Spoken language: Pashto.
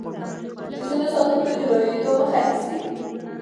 د زينو ساتونکي د لوېدو مخه نيسي.